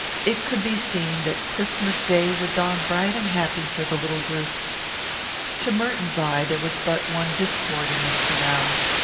It could be seen that Christmas day would dawn bright and happy for the little group. To Merton's eye there was but one discord in this finale.